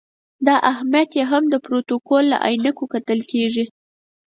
دا اهمیت یې هم د پروتوکول له عینکو کتل کېږي.